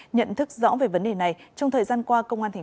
nhận thức rõ về vấn đề này trong thời gian qua công an tp hà nội đã tập trung